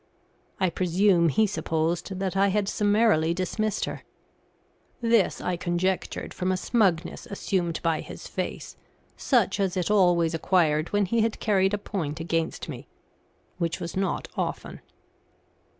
I presume he supposed that I had summarily dismissed her. This I conjectured from a smugness assumed by his face, such as it always acquired when he had carried a point against me which was not often.